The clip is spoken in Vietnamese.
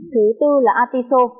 thứ tư là artiso